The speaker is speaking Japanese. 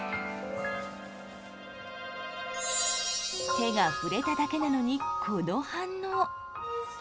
手が触れただけなのにこの反応。